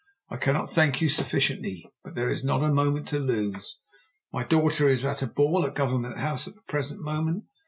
I cannot thank you sufficiently. But there is not a moment to lose. My daughter is at a ball at Government House at the present moment.